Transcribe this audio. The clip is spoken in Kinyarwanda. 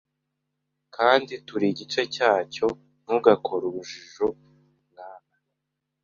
Kandi turi igice cyacyo, ntugakore urujijo mwana